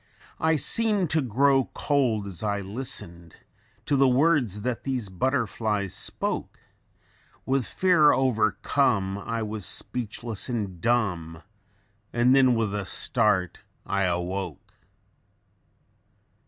I seemed to grow cold as I listened To the words that these butterflies spoke; With fear overcome, I was speechless and dumb, And then with a start, I awoke!